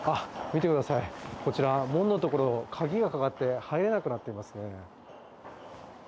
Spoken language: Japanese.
見てください、門のところ、鍵がかかって入れなくなっていますね。